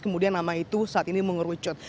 kemudian nama itu saat ini mengerucut